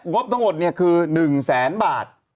บทั้งหมดคือ๑แสนบาท